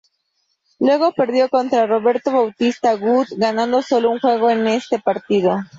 Luego perdió contra Roberto Bautista-Agut, ganando solo un juego en este partido.